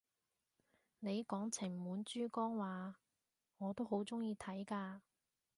你講情滿珠江咓，我都好鍾意睇㗎！